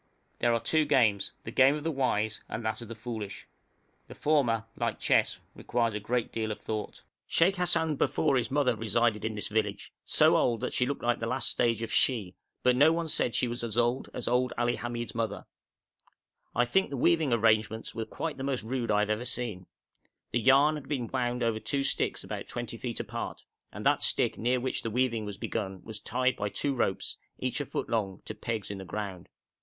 There are two games the game of the wise and that of the foolish; the former, like chess, requires a good deal of thought. [Illustration: FLUTE PLAYERS IN THE WADI KOUKOUT, SOUDAN] Sheikh Hassan Bafori's mother resided in this village, so old that she looked like the last stage of 'She,' but no one said she was as old as old Ali Hamid's mother. I think the weaving arrangements were quite the most rude I have ever seen. The yarn had been wound over two sticks about 20 feet apart, and that stick near which the weaving was begun was tied by two ropes, each a foot long, to pegs in the ground.